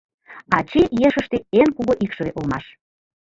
Ачий ешыште эн кугу икшыве улмаш.